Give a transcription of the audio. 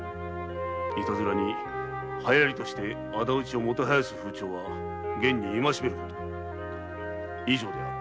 いたずらに流行として仇討ちをもてはやす風潮は厳にいましめること」以上である。